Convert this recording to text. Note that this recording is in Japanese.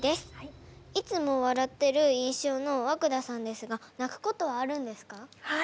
いつも笑ってる印象の和久田さんですが泣くことはあるんですか？